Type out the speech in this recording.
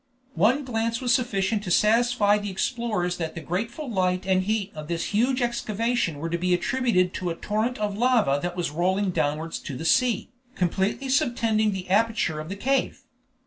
One glance was sufficient to satisfy the explorers that the grateful light and heat of this huge excavation were to be attributed to a torrent of lava that was rolling downwards to the sea, completely subtending the aperture of the cave.